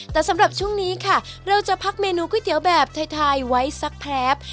แต่สำหรับช่วงนี้ค่ะเราจะพักเมนูก๋วยเตี๋ยวแบบไทยไว้สักแพรป